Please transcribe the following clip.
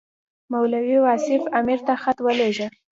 مولوي واصف امیر ته خط ولېږه.